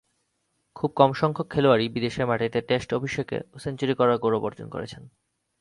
খুব কমসংখ্যক খেলোয়াড়ই বিদেশের মাটিতে টেস্ট অভিষেকে সেঞ্চুরি করার গৌরব অর্জন করেছেন।